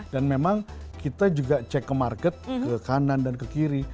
dan memang kita juga cek ke market ke kanan dan ke kiri